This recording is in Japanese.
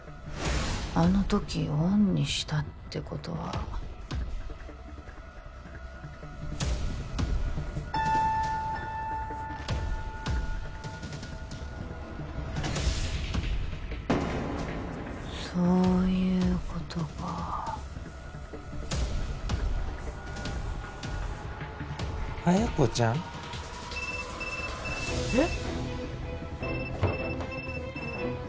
あの時オンにしたってことはそういうことか彩子ちゃん？えっ！？